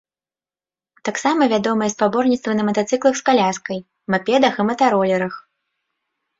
Таксама вядомыя спаборніцтвы на матацыклах з каляскай, мапедах і матаролерах.